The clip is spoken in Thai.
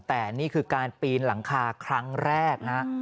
แต่นี่คือการปีนหลังคาครั้งแรกนะ